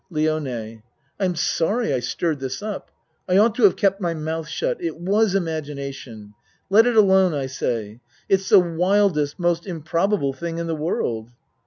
LIONE I'm sorry I stirred this up. I ought to have kept my mouth shut. It was imagination. Let it alone I say. It's the wildest most improba ble thing in the world.